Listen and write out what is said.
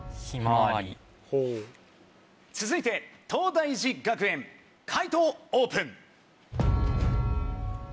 続いて東大寺学園解答オープン！